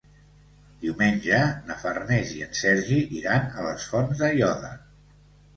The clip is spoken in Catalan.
Diumenge na Farners i en Sergi iran a les Fonts d'Aiòder.